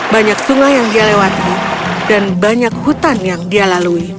banyak sungai yang dia lewati dan banyak hutan yang dia lalui